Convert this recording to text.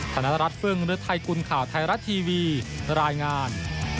ธนรัฐฟึ่งฤทัยกุลข่าวไทยรัฐทีวีรายงาน